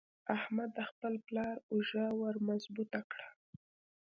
احمد د خپل پلار اوږه ور مضبوطه کړه.